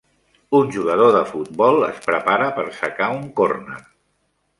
Un jugador de futbol es prepara per sacar un córner.